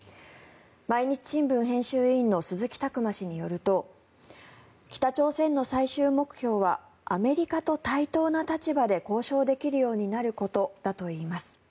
毎日新聞編集委員の鈴木琢磨氏によると北朝鮮の最終目標はアメリカと対等な立場で交渉できるようになることだといいます。